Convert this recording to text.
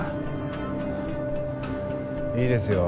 いいですよ。